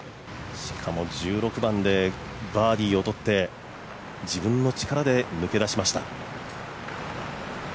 しかも１６番でバーディーを取って自分の力で抜け出しました。